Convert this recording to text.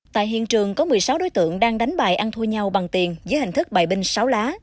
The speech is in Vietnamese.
tại hiện trường có một mươi sáu đối tượng đang đánh bài ăn thua nhau bằng tiền dưới hình thức bài binh sáu lá